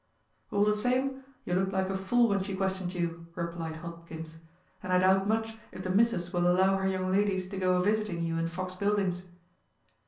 "All the same, you looked like a fool when she questioned you," replied Hopkins; "and I doubt much if the missus will allow her young ladies to go a visiting you in Fox Buildings."